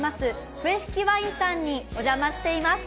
笛吹ワインさんにお邪魔しています。